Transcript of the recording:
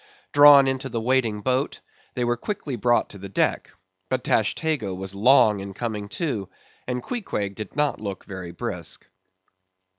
Drawn into the waiting boat, they were quickly brought to the deck; but Tashtego was long in coming to, and Queequeg did not look very brisk.